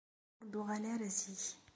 ur d-tuɣal ara zik.